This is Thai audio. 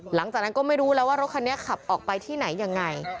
หลังจากนั้นก็ไม่รู้แล้วว่ารถคันนี้ขับออกไปที่ไหนยังไง